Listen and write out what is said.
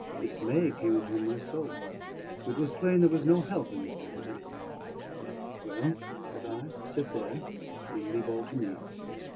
Dismay came upon my soul; it was plain there was no help in Mr. Henry. "Well," said I, "sit there, and leave all to me."